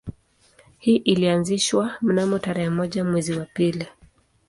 Hii ilianzishwa mnamo tarehe moja mwezi wa pili